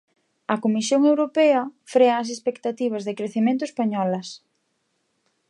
A Comisión Europea frea as expectativas de crecemento españolas.